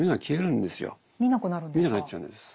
見なくなるんですか？